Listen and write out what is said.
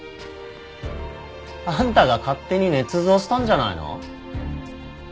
あんたが勝手に捏造したんじゃないの？